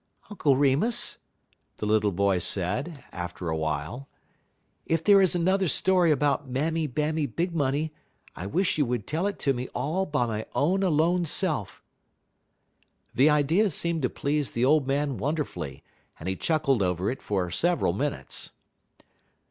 "Uncle Remus," the little boy said, after a while, "if there is another story about Mammy Bammy Big Money, I wish you would tell it to me all by my own alone self." The idea seemed to please the old man wonderfully, and he chuckled over it for several minutes.